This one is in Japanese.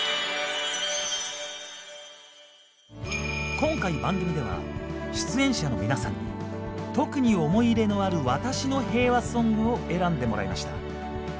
今回番組では出演者の皆さんに特に思い入れのある「わたしのへいわソング」を選んでもらいました。